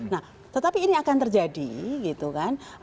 nah tetapi ini akan terjadi gitu kan